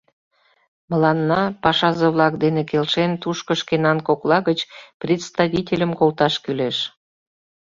Мыланна, пашазе-влак дене келшен, тушко шкенан кокла гыч представительым колташ кӱлеш.